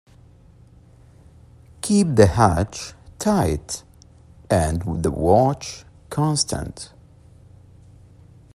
Keep the hatch tight and the watch constant.